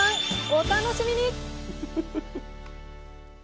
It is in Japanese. お楽しみに！